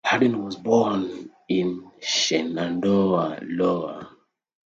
Haden was born in Shenandoah, Iowa.